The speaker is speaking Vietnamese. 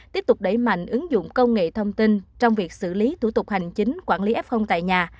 tiếp tục đẩy mạnh ứng dụng công nghệ thông tin trong việc xử lý thủ tục hành chính quản lý f tại nhà